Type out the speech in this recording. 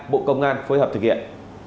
bộ công an phối hợp thực hiện